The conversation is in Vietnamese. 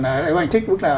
nếu anh thích bức nào